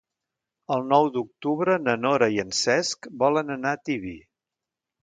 El nou d'octubre na Nora i en Cesc volen anar a Tibi.